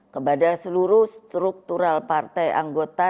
kepada seluruh struktural partai anggota